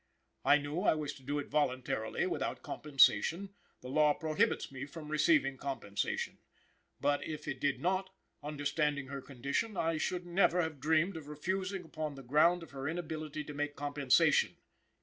I knew I was to do it voluntarily, without compensation; the law prohibits me from receiving compensation; but if it did not, understanding her condition, I should never have dreamed of refusing upon the ground of her inability to make compensation."